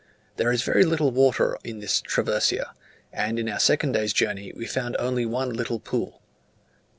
There is very little water in this "traversia," and in our second day's journey we found only one little pool.